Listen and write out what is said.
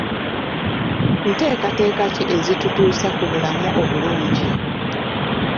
Nteekateeka ki ezitutuusa ku bulamu obulungi?